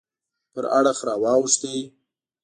پر اړخ راواوښت.